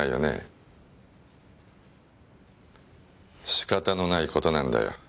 仕方のない事なんだよ。